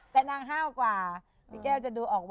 พวกหน้ากลางฉันดูหรือ